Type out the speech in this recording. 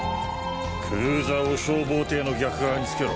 クルーザーを消防艇の逆側につけろ！